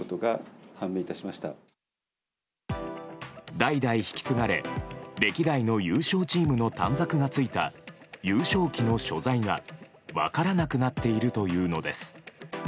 代々引き継がれ歴代の優勝チームの短冊がついた優勝旗の所在が分からなくなっているというのです。